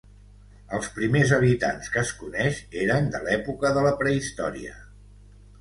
Els primers habitants que es coneix eren de l'època de la prehistòria.